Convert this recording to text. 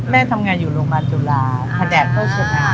แม่ทำงานอยู่โรงพยาบาลจุฬาแผนกโฆษณา